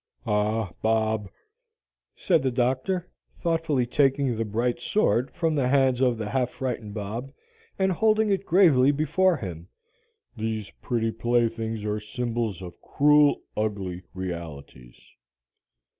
Ah, Bob," said the Doctor, thoughtfully taking the bright sword from the hands of the half frightened Bob, and holding it gravely before him, "these pretty playthings are symbols of cruel, ugly realities.